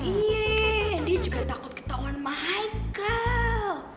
iya dia juga takut ketauan sama haikal